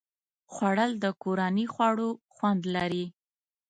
خوړل د کورني خواړو خوند لري